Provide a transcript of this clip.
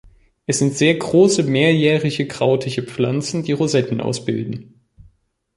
Es sind sehr große, mehrjährige krautige Pflanzen, die Rosetten ausbilden.